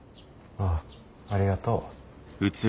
ああありがとう。